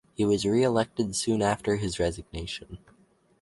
He was re-elected soon after his resignation.